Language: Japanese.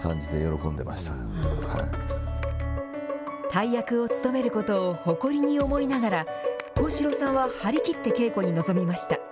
大役を務めることを誇りに思いながら、幸四郎さんは張り切って稽古に臨みました。